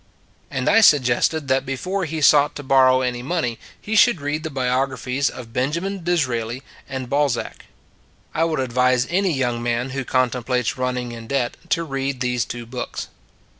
And I suggested that before he sought to borrow any money, he should read the biographies of Benjamin Disraeli and Bal zac. I would advise any young man who con templates running in debt to read these two books.